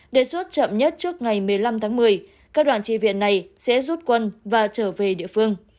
đề xuất chậm nhất trước ngày một mươi năm tháng một mươi các đoàn tri viện này sẽ rút quân và trở về địa phương